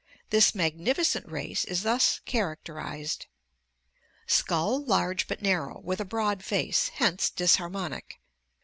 This magnificent race is thus characterized: Skull large but narrow, with a broad face, hence disharmonic.